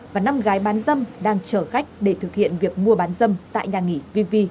và năm gái bán dâm đang chờ khách để thực hiện việc mua bán dâm tại nhà nghị vv